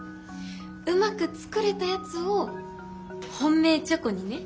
うまく作れたやつを本命チョコにね。